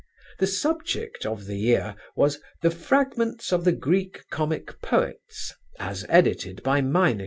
The subject of the year was "The Fragments of the Greek Comic Poets, as edited by Meineke."